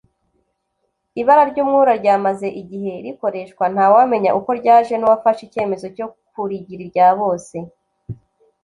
Ibara ry’umwura ryamaze igihe rikoreshwa ntawamenya uko ryaje n’uwafashe icyemezo cyo kurigira irya bose